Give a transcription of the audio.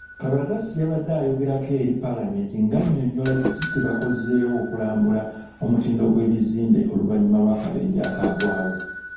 Kabatsi yabadde ayogerako eri Palamenti ng'annyonnyola kiki kyebakozeewo okulambula omutindo gw'ebizimbe oluvanyuma lw'akabenje akaagwawo.